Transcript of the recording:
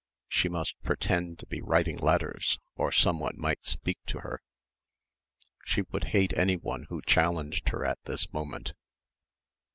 She must pretend to be writing letters or someone might speak to her. She would hate anyone who challenged her at this moment.